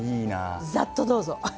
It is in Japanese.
ざっとどうぞ。